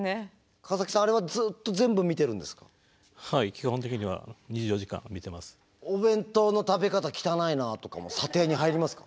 川崎さんあれはずっとお弁当の食べ方汚いなとかも査定に入りますか？